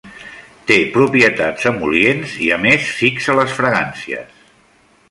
Té propietats emol·lients i a més fixa les fragàncies.